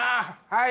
はい！